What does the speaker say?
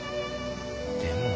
でも。